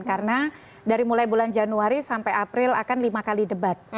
karena dari mulai bulan januari sampai april akan lima kali debat